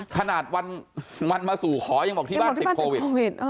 ขนาดวันมาสู่ขอยังบอกที่บ้านติดโควิด